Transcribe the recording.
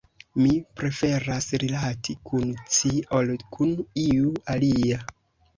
mi preferas rilati kun ci, ol kun iu alia.